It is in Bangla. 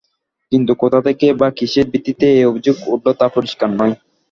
কিন্তু কোথা থেকে বা কিসের ভিত্তিতে এই অভিযোগ উঠল তা পরিষ্কার নয়।